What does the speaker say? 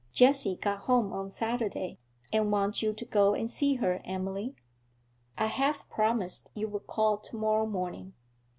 'Jessie got home on Saturday, and wants you to go and see her, Emily. I half promised you would call to morrow morning.'